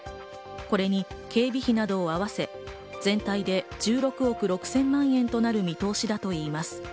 これに警備費などを合わせ、全体で１６億６０００万円となる見通しだということです。